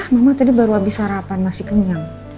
mama tadi baru habis sarapan masih kenyang